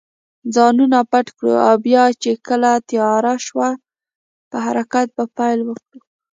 ځانونه پټ کړو او بیا چې کله تېاره شول، په حرکت به پیل وکړو.